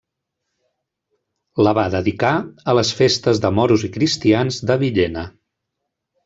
La va dedicar a les festes de moros i cristians de Villena.